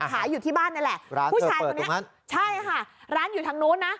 ขายอยู่ที่บ้านนี่แหละร้านเธอเปิดตรงนั้นใช่ค่ะร้านอยู่ทางนู้นน่ะ